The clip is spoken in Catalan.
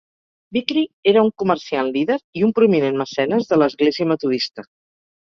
Vickery era un comerciant líder i un prominent mecenes de l'església Metodista.